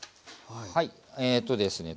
はいえっとですね